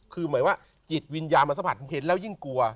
คือหมายว่าจิตวิญญาณมันสัมผัสผมเห็นแล้วยิ่งกลัว